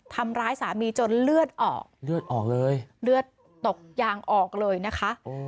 ทำร้ายสามีจนเลือดออกเลือดออกเลยเลือดตกยางออกเลยนะคะ